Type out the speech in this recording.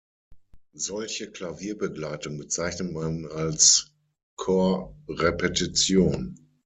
Solche Klavierbegleitung bezeichnet man als Korrepetition.